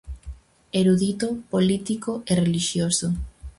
Erudito, político e relixioso.